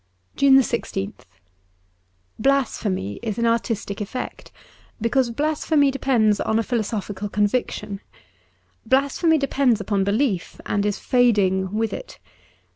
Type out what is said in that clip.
^ JUNE 1 6th BLASPHEMY,;, is an artistic effect, because blasphemy depends on a philosophical con viction. Blasphemy depends upon belief, and is fading with it.